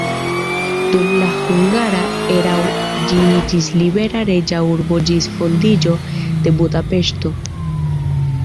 Dum la hungara erao ĝi iĝis libera reĝa urbo ĝis fondiĝo de Budapeŝto.